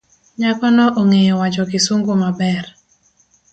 Nyakono ongeyo wacho kisungu maber.